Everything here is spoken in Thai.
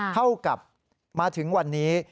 เท่ากับมาถึงวันนี้